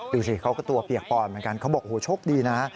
ดูสิเขาก็ตัวเปียกปอนเหมือนกันเขาบอกโหโชคดีนะ